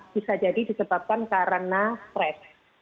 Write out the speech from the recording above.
bisa jadi disebabkan karena stres